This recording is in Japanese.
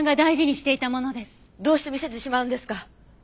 どうして見せてしまうんですか！